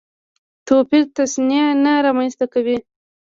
توپیر تصنع نه رامنځته کوي.